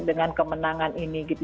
dengan kemenangan ini gitu